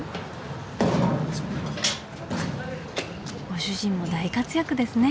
ご主人も大活躍ですね。